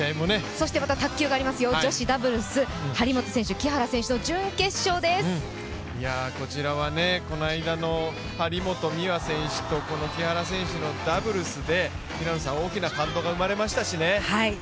そしてまた卓球がありますよ、女子ダブルス、張本選手、木原選手のこちらはこの間の張本美和選手と木原選手のダブルスで大きな感動が生まれましたしね、楽しみな。